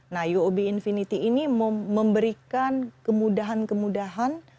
nah uob infinity ini memberikan kemudahan kemudahan